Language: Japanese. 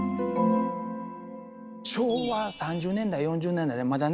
昭和３０年代４０年代まだね